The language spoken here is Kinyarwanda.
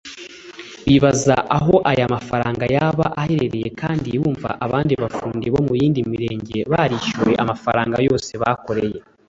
Bibaza aho aya mafaranga yaba yarahereye kandi bumva abandi bafundi bo mu yindi mirenge barishyuwe amafaranga yose bakoreye